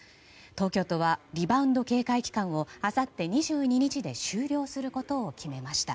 東京都はリバウンド警戒期間をあさって２２日で終了することを決めました。